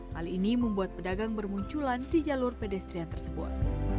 hal ini membuat pedagang bermunculan di jalur pedestrian tersebut